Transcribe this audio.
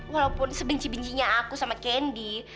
walaupun sebenci bencinya aku sama kendi